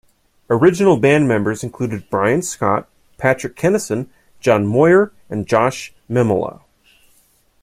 Original band members included Bryan Scott, Patrick Kennison, John Moyer and Josh Memolo.